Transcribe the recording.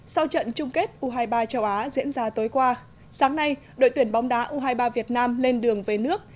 sau trận chung kết u hai mươi ba châu á diễn ra tối qua sáng nay đội tuyển bóng đá u hai mươi ba việt nam lên đường về nước